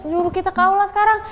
juru kita kaula sekarang